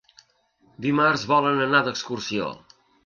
Dimarts volen anar d'excursió.